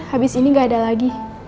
habis ini nggak ada lagi